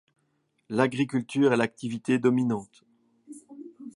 L’agriculture est l’activité dominante.